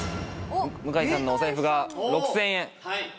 向井さんのお財布が６０００円